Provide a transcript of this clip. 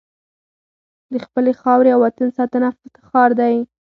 د خپلې خاورې او وطن ساتنه افتخار دی.